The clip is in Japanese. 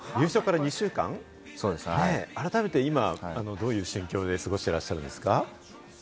優勝から２週間、改めて今、どういう心境で過ごしていらっしゃいますか？